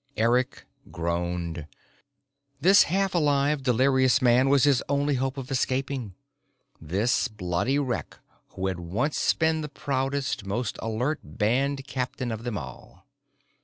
Eric groaned. This half alive, delirious man was his only hope of escaping. This bloody wreck who had once been the proudest, most alert band captain of them all.